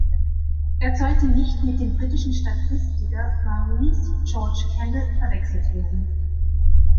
Er sollte nicht mit dem britischen Statistiker Maurice George Kendall verwechselt werden.